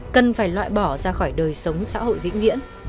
cần phải loại bỏ ra khỏi đời sống xã hội vĩnh viễn